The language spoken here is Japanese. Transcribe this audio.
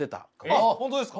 あっ本当ですか？